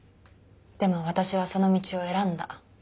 でも私はその道を選んだ。